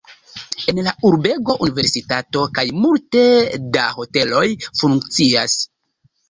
En la urbego universitato kaj multe da hoteloj funkcias.